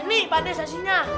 nih pak de sajinya